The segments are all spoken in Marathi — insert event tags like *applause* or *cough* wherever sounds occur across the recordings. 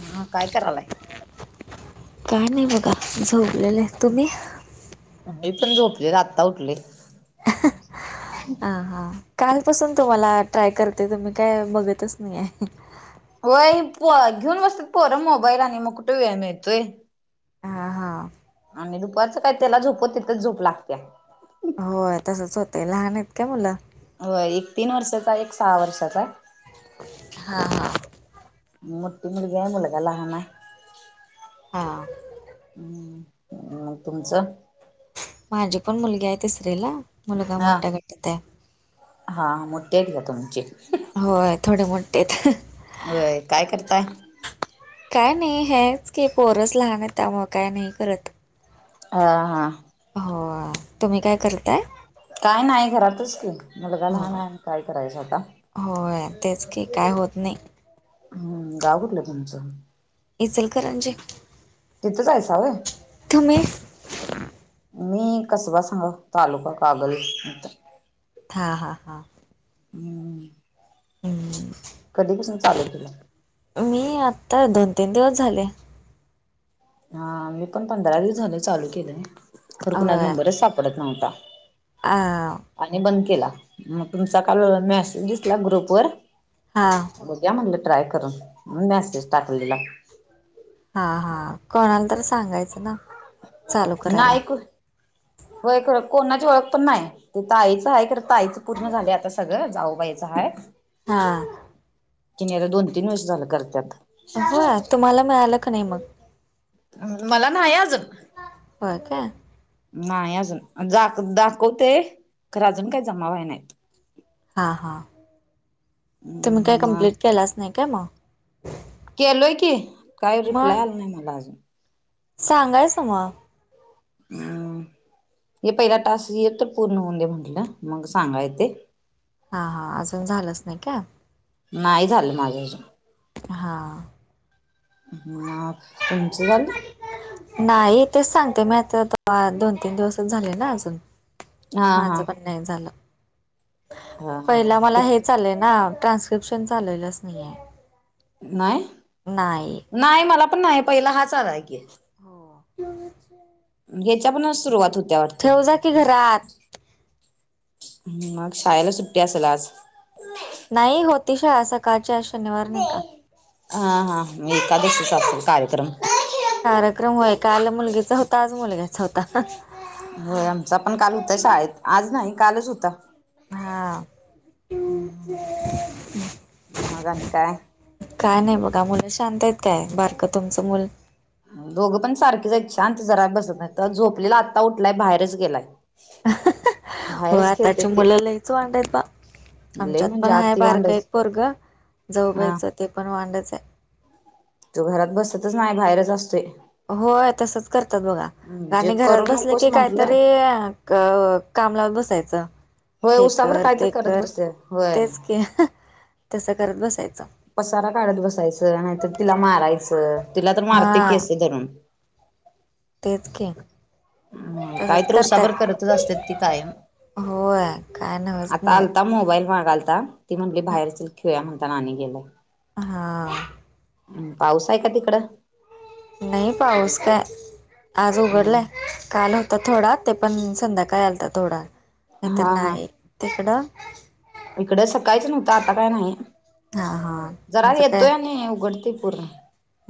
हा काय करालाय? काय नाही बघा झोपलेले, तुम्ही? मी पण झोपलेलो आाता उठलोय. हा हा कालपासून तुम्हाला ट्राय करते तुम्ही काय बघतच नाही आहे. होय, घेऊन बसतात पोरं मोबाईल आणि मग कुठे वेळ मिळतोय. हा हा. आणि दुपारचं काय त्याला झोपत तिथंच झोप लागत्या. होय तसंच होतय. लहान आहेत का मुलं? हो एक तीन वर्षाचा, एक सहा वर्षाचा आहे. हा! मोठ्ठी मुलगी आहे, मुलगा लहान आहे. हा! अ तुमचं? माझी पण मुलगी आहे तिसरी ला मुलगा हा मोठ्या गटात आहे. हा मोठे आहे की तुमचे! हो आहे थोडे मोठेत. व्हय काय करताय? काय नाही हेच की पोरच लहान हेत, त्यामुळं काय नाही करत. हा हा! हो तुम्ही काय करताय? काय नाही घरातच की मुलगा लहान आहे न काय करायचं आता! हा तेच की काय होत नाही. हू गाव कुठलं तुमचं? इचंलकरंजी! तिथंच आहेसाळ. मी कसबा *unintelligible* तालुका कागळी. हा हा हा! हू! हू! कधीपसून चालू केल! मी आत्ता दोन तीन दिवस झाले. हा मी पण पंधरा दिवस झाल चालू केलंय, खर कुणाचा होय नंबरच सापडत नव्हता. आ! आणि बंद केला मग तुमचा काल मेसेज दिसला ग्रुप वर. हां! बघुया म्हनलं ट्राय करून मेसेज टाकून दिला. हा हा कोणाला तर सांगायचं ना! चालू करायला नाही कु होय कोणाची ओळख पण नाय, इत आईच आहे कर. ताई चं पूर्ण झालंय आता सगळं जाऊबायीचं हाय. हा! किनीं आता दोन तीन वर्ष झालं करत्यात. *inaudible* तुम्हाला मिळालं का नाही मग. मला नाही अजून. होय काय! नाही अजून जा दाखवतेय खरं अजून काय जमावय नाहीत. हा हा तुम्ही काय हम्म मग कम्प्लीट केलाच नाही का म. केलोय की काय रिप्लाय आला नाही मला अजून. सांगायसं ना! हम्म *inaudible* हे पहिला टास्क ये त पूर्ण होऊन दे म्हटलं, मंग सांगाय ते! हा हा अजून झालंच नाही का! नाही झालं माझ्या अजून. हां हा तुमचं झालं. नाही तेच सांगते मी आता दोन तीन दिवसच झाले ना अजून हा हा माझं पण नाही झालं हा हा पहिला मला कि हे चाललंय ना ट्रान्स्क्रिप्शन चालू आहे जास्त नाही नाही मला पण नाही पहिला हाच आला आहे की हो ह्याच्या पणच सुरुवात होती बघा ठेव जा की घरात मग शाळेला सुट्टी असेल आज नाही होती शाळा सकाळची आज शनिवार नाही का? हा हां मी एकादशी कार्यक्रम कार्यक्रम होय काल मुलगीचा होता आज मुलग्याचा होता. होय आमचा पण काल होता शाळेत आज नाही कालच होता. हांं मग आणि काय? काय नाही बघा मुली शांत आहेत काय बारंक तुमचं मुल दोघं पण सारखीच आहेत शांत जरा बसत नाही तर झोपलेला आता उठलाय बाहेरच गेलाय. हो बाहेरच खेळते आताच्या ते मुलं लईच वांड ते बा लय आमच्यात पण म्हणजे हाय आती वांड बारक हाईत. एक पोरंग हा जाऊबाईच ते पण वांडच आहे. तो घरात बसतच नाही बाहेरच असतोय. होय तसच करतात बघा जे आणि घरात करू बसले नकोस की म्हंटलं काहीतरी अ काम लावून बसायचं. होय हे उसावर कर काय तर ते करत कर बसते होय. तेच कि तसं करत बसायचं. पसारा काढत बसायचं नाहीतर तिला मारायचं तिला तर मारते की हा केस धरून तेच कि हम् काय तर उसाभर करतच असतात ती कायम होय काय नव्हच आता मुलं आलता मोबाईल मागालता ती म्हटली बाहेरच खेळ्या म्हणता ना गेलाय. हा पाऊस आहे का तिकडं नाही पाऊस काय आज उघडलं हम्म काल होतं. थोडा ते पण संध्याकाळी आलता थोडा नाहीतर हा नाही तिकडं इकडे सकाळीच नव्हतं आता काय नाही. हां हां जरा येतोय आणि उघडते पूर्ण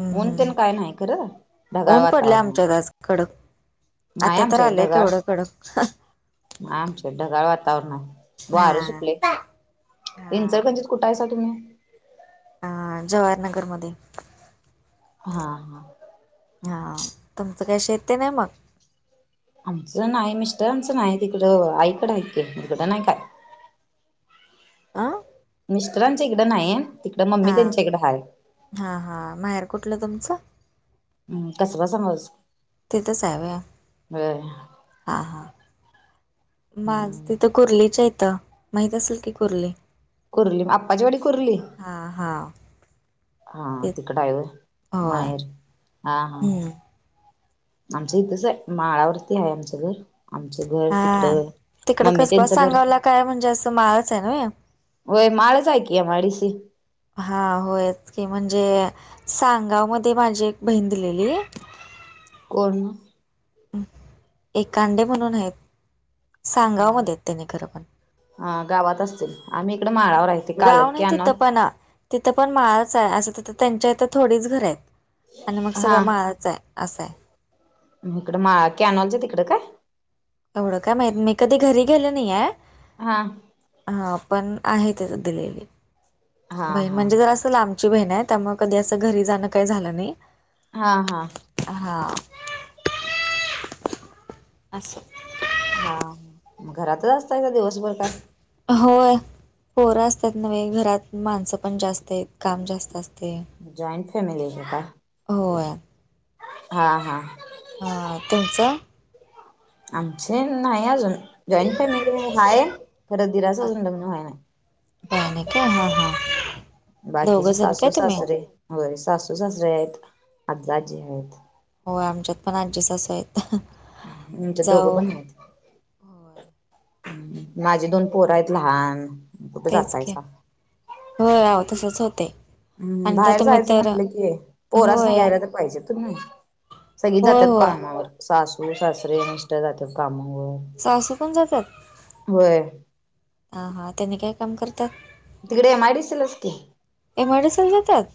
हम्म ऊन तेन हम् काय नाही खरं ढगाळ ऊन पडल्या वातावरण आहे. आमच्याकडं आज कडक आता तर आलेय तेवढं कडक आमच ढगाळ वातावरण आहे वार हा सुटले. हा इंचलकरंजीत कुठाय सा तुम्ही अ जवाहरनगर मध्ये हा हा हा तुमचं काय शेत नाही मग आमचं नाही मिस्टरांच नाही तिकडं आईकडं आहे शेत तिकडं नाही काय अं मिस्टरांच्या इकडं नाहीय आहे तिकडं मम्मी हा त्यांच्याकडे आहे. हा हा माहेर कुठलं तुमचं? हम् कसं ब समज. तिथच आहे होय होय हां हां. माझ हम्म. तिथं कुर्लेच्या हिथ माहित असेल की कुर्ले. कुर्ली अप्पाचीवाडी कुर्ली? हां हां हा तिकड आहे होय होय माहेर हा हा. हम्म आमचं इथंच आहे माळावरती आहे आमचं घर. आमचं घर हा तिकडं तिकड मम्मी कसबा त्यांचं घर सांगावला काय म्हणजे असं मळच आहे नव्हे? होय माळच आहे की एम आय डी सी. हा होयच की म्हणजे सांगाव मध्ये माझी एक बहीण दिलेली आहे. कोण? एकांडे म्हणून आहेत सांगाव मध्ये आहेत त्यानी खरं पण, हा गावात असतील आम्ही इकडे माळावर आहे. ते काल गाव नाही तिथ कॅनॉल पण, तिथं पण माळाच आहे असं तिथं त्यांच्या इथं थोडीच घरं आहेत आणि मग सगळं माळाच आहे. अस हाय. इकड माळ कॅनऑन च्या तिकड काय? एवढं काय माहीत नाही मी कधी घरी गेलो नाहीया हा हा पण आहे तिथ दिलेली हा बहीन. हा म्हणजे जर अस स लांबची बहीण आहे त्यामुळे कधी असं घरी जाणं काही झालं नाही. हा हा हां असं. हा, घरातच असताय का दिवसभर काय? होय पोरं असतात नव्हे घरात माणसं पण जास्त आहेत काम जास्त अस जॉइंट फॅमिली आहे का काय? होय हा हा. ह, तुमचं? आमचे नाही अजून, जॉईंट फॅमिली आहे खर दिराच हा अजून लग्न व्हय नाही. काय नाही का हा हा दोघं बाकीचे जण सासू काय तुम्ही सासरे, होय सासू सासरे आहेत आजा आज्जी आहेत. होय आमच्यात पण आज्जी सासू आहेत. आच्यात दोघं जाऊ पण आहेत. होय माझी दोन पोर आहेत लहान. कुठे तेच की जातायसा हो आओ तसच होतय. हम् बाहेर जायचं म्हणलं कि पोरासनी होय घ्यायला तर पाहिजे तुम्ही, सगळी होय जातात होय कामावर सासू सासरे मिस्टर जातात कामावर. सासू पण जातात होय हा हा त्यांनी काय काम करतात? तिकडे एम आय डी सि लाच की. एमआयडीसीला जातात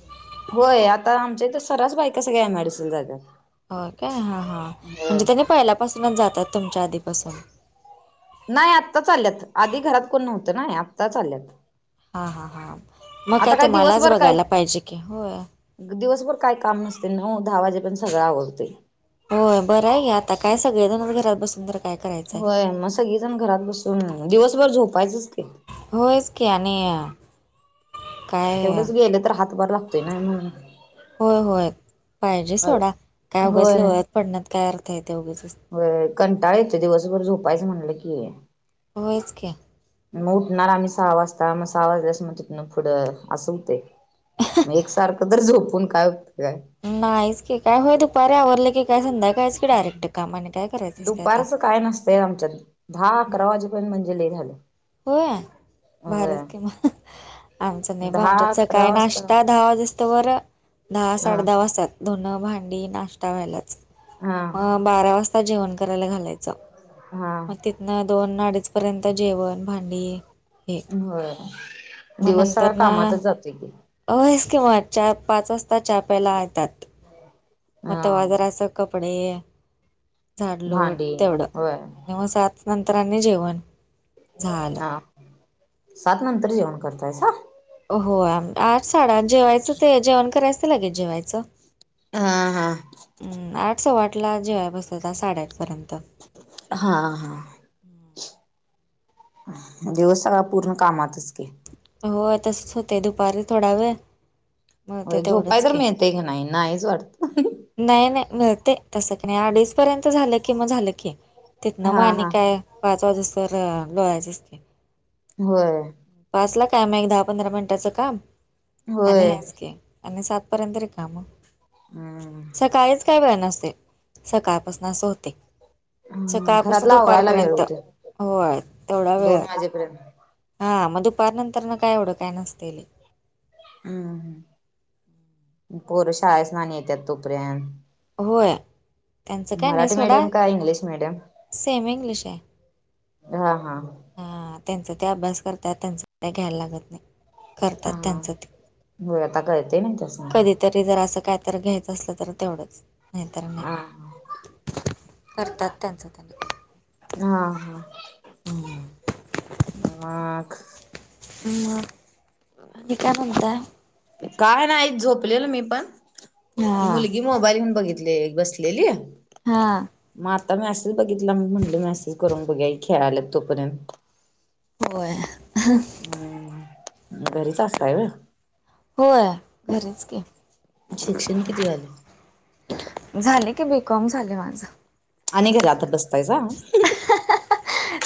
होय आता आमच्या हित सरास बाईका सगळया एम आय डी सीला जात्यात. हो काय हा हा होय म्हणजे त्यांनी पहिल्यापासूनच जातात तुमच्या आधीपासून. नाही आत्ता चाल्यात आधी घरात कोण नव्हतं नाही आत्ता चाल्यात. हा हा हां मग काय तुम्हालाच दिवसभर काय बघायला पाहिजे की होय. दिवसभर काय काम नसतय नऊ दहा वाजे पर्यंत सगळं आवरतय. होय बरं आहे घ्या, आता काय सगळे जण घरात बसून तर काय करायचं आहे होय मग सगळीजण घरात बसून दिवसभर झोपायचंच की. होयच की आणि काय तेवढंच गेले तर हातभर लागतोय नाही म्हणून. होय होय पाहिजे सोडा काय उघचल्या वळत पडण्यात काय अर्थ आहे ते उघंचच. कंटाळ येतंय दिवसभर झोपायचं म्हणलं कि होयच की. मग उठणार आम्ही सहा वाजता मग सहा वाजल्यास मग तिथंन पुढं असं होते. मग एकसारखं झोपून काय उपयोग आहे. नाहीच की काय होय दुपारी आवरलं की काय संध्याकायच की डायरेक्ट कामाने काय करायचं असते आता. ते आमच्या दहा अकरा वाजेपर्यंत म्हणजे ल झालं. होय भारीच होय कि मग आमचा नेभ दहा आमच्यात अकरा सकाळी वाजता नाशतात दहा वाजसतवर दहा हा साडे दहा वाजतात धुनं भांडी नाश्ता व्हायलाच. हा. मग बारा वाजता जेवण करायला घालायचं. हा. मग तिथनं दोन अडीचपर्यंत जेवण भांडी हे होय दिवस सगळ कामातच जातोय की. अस किं चार पाच वाजता चा प्याला येतात मग हा तवा जरास बाजारचं कपडे, झाड, लोट भांडी तेवढं. होय आणि मग सात नंतर आणि जेवण. झालं हा सात नंतर जेवण करतायसा? होय आठ साड आठ जेवायचं ते जेवण करायचं लगेच जेवायचं. हा हा. आठ सव्वाठला जेवय बसतता साडेआठपर्यंत. हा हा. दिवस सगळा पूर्ण कामातचकी. होय तसंच होते दुपारी थोडा वेळ अ मिळते झोपाय तेवढंच तर मिळतेय की नाही नाहीच वाटत. नाही नाही मिळते तसं की नाही अडीच पर्यंत झालं की मग झालं की. तिथन मग हा आणि हा काय पाच वाजूस तर लोळायचच की. होय. पाचला कायम एक दहा पंधरा मिनिटाचं काम आणि होय हायच की. आणि सातपर्यंत रिकाम हम्म स कायच काय वेळ नसते सकाळपासून असं होते. सकाळपासून घरातला आवरायला वेळ दुपारपर्यंत होय तेवढा वेळ. आजपर्यंत. हां मग दुपार नंतर काय एवढं काय नसते. हम्म, पोर शाळेच आणि येतात तोपर्यंत. होय त्यांचं काय नाही मराठी सोडा मीडियम काय इंग्लिश मीडियम? सेमी हा हा. हा त्यांचा ते अभ्यास करतात त्यांच ते घ्यायला लागत नाही. करतात हा त्यांचं ते. हो आता कळते ना तस. कधीतरी जरा असं काय तर घ्यायचं असलं तर तेवढंच नाहीतर नाही. हा हा करतात त्यांचा त्यांनी. हा हा हम्म म *unintelligible* मग, आणि काय म्हणताय? काय नाही झोपलेलो मी पण, ती हां, मुलगी मोबाईल घेऊन बघितले, एक बसलेली हा मग आता मॅसेज बघितला, मी म्हटल मॅसेज करून बघूया ही खेळालेत तोपर्यंत व्हय हम्म, घरीच असताय व्हय? होय, घरीेच की शिक्षण किती झालय? झालय की, बीकॉम झालय माझ. आणि घरातच बसतायसा.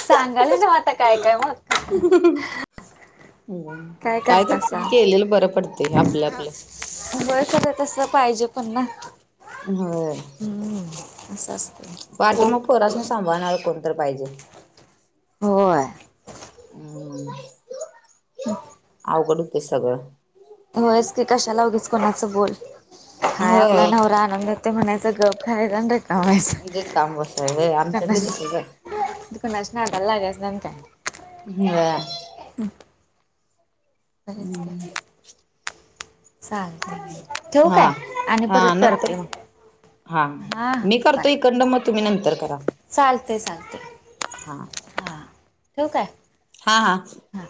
सांगालय नव्ह आता, काय काय मग हम्म, काय तर केलेल बर पडतय आपल आपल. व्हय, खर तस पाहिजे पण ना. व्हय हम्म, अस असतय पाठी माग पोरासनी सांभाळणार कोणतर पाहिजे. होय हम्म, कुठं हायस तू? *unintelligible* अवघड हुतंय सगळ. होयस की, कशाला उगीच कोणाचं बोल, हाय आपला होय नवरा आणून देतो तोय म्हणायच, गप खायाच अन जे काम असय व्हय, आमच्यात बी तसच हाय. कुणाच्या नादाला लागायच नाहीन काय. व्हय खरच की हम्म, चालतंय ठेवू हा काय आणि हा परत नंतर करते मग हा, मी करतोय इकडन म तुम्ही नंतर करा. चालतय चालतय हा हा, ठेवू काय? हा हा हा